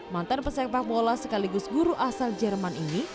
mantan pesepak bola sekaligus guru asal jerman ini